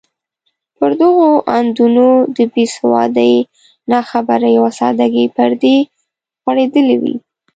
پر دغو اندونو د بې سوادۍ، ناخبرۍ او سادګۍ پردې غوړېدلې وې.